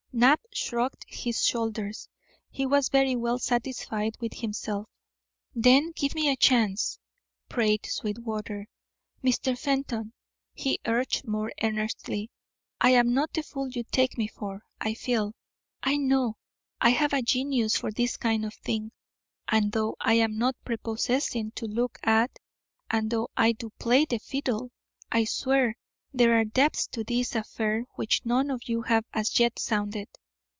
Knapp shrugged his shoulders. He was very well satisfied with himself. "Then give me a chance," prayed Sweetwater. "Mr. Fenton," he urged more earnestly, "I am not the fool you take me for. I feel, I know, I have a genius for this kind of thing, and though I am not prepossessing to look at, and though I do play the fiddle, I swear there are depths to this affair which none of you have as yet sounded.